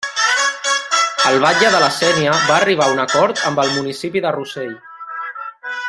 El batlle de la Sénia va arribar a un acord amb el municipi de Rossell.